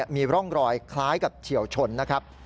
มีร่องรอยคล้ายกับเฉียวชนนะครับ